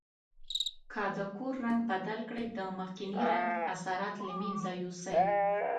که د کور رنګ بدل کړئ د مخکني رنګ اثرات له منځه یوسئ.